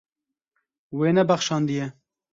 Wê nebexşandiye.